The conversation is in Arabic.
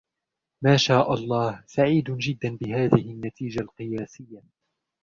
ما شاء الله سعيد جدا بهذه النتيجة القياسية